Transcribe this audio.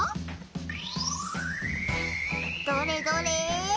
どれどれ？